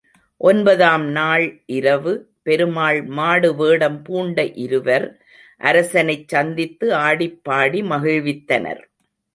ஒன்பதாம் நாள் இரவு, பெருமாள் மாடு வேடம் பூண்ட இருவர் அரசனைச் சந்தித்து ஆடிப்பாடி மகிழ்வித்தனர்.